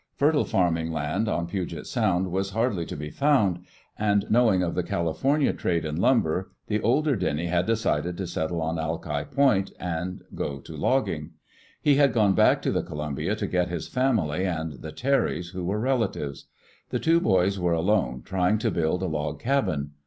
Fertile farming land on Puget Sound was hardly to be found, and knowing of the California trade in lumber, the older Denny had decided to settle on Alki Point and go to logging. He had gone back to the Columbia to get his family and the Terrys, who were relatives. The two boys were alone, trying to build a log cabin.